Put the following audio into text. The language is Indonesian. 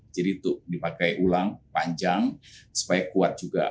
jadi itu dipakai ulang panjang supaya kuat juga